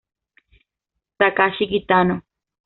Takashi Kitano